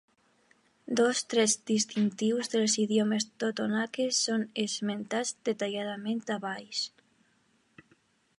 Dos trets distintius dels idiomes totonaques són esmentats detalladament a baix.